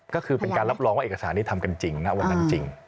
ก็คือเป็นการรับรองว่าเอกสารนี้ทำกันจริงณวันนั้นจริง